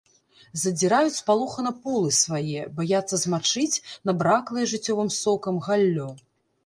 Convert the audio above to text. Задзіраюць спалохана полы свае, баяцца змачыць набраклае жыццёвым сокам галлё.